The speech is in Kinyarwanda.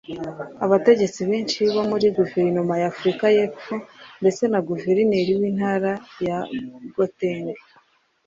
Abategetsi benshi bo muri guverinoma ya Afurika y’Epfo ndetse na guverineri w’intara ya Gauteng